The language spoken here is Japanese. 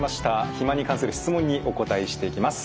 肥満に関する質問にお答えしていきます。